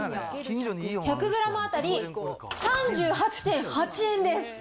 １００グラム当たり３８．８円です。